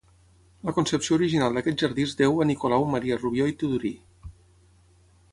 La concepció original d'aquest jardí es deu a Nicolau Maria Rubió i Tudurí.